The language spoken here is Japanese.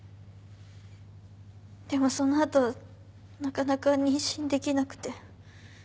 でもその後なかなか妊娠できなくて。